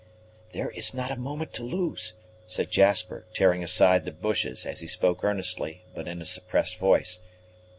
"There is not a moment to lose," said Jasper, tearing aside the bushes, as he spoke earnestly, but in a suppressed voice.